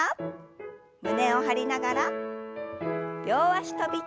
胸を張りながら両脚跳び。